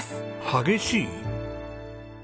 激しい？